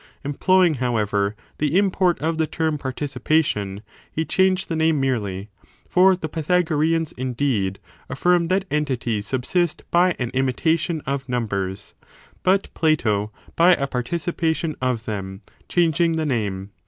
Employing, however, the import of the term participation, he changed the name merely ; for the Pythagoreans, indeed, afl&rm that entities subsist by an imitation of numbers: but Plato, by a participation of them, changing the name.